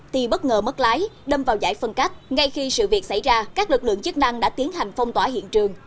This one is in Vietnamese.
thì bất ngờ mất lái đâm vào giải phân cách ngay khi sự việc xảy ra các lực lượng chức năng đã tiến hành phong tỏa hiện trường